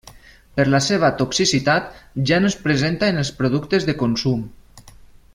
Per la seva toxicitat ja no es presenta en els productes de consum.